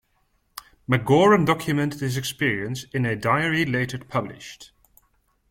McGauran documented his experience in a diary later published.